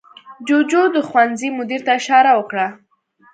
جوجو د ښوونځي مدیر ته اشاره وکړه.